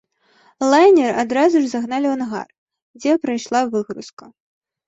Лайнер адразу ж загналі ў ангар, дзе прайшла выгрузка.